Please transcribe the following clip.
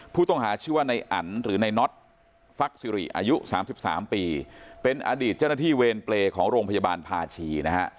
ผู้ต้องหาชื่อว่าในอันหรือในน็อตฟักซิริอายุ๓๓ปีเป็นอดีตเจ้าหน้าที่เวรเปรย์ของโรงพยาบาลภาชีนะฮะ